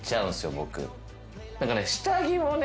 僕。